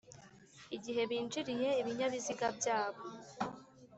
igihe byinjiriye, ibinyabiziga byabo